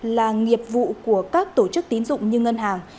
là nghiệp vụ của các tổ chức tín dụng như ngân hàng